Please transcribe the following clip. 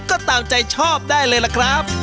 ก็ตามใจชอบได้เลยล่ะครับ